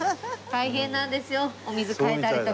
大変なんですよお水換えたりとかが。